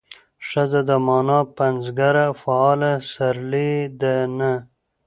ښځه د مانا پنځګره فاعله سرلې ده نه